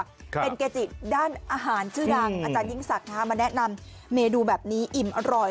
เป็นเกจิด้านอาหารชื่อดังอาจารยิ่งศักดิ์มาแนะนำเมนูแบบนี้อิ่มอร่อย